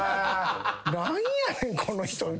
何やねんこの人。